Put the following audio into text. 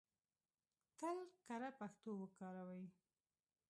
تل کره پښتو وکاروئ!